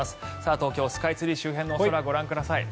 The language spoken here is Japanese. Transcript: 東京スカイツリー周辺のお空ご覧ください。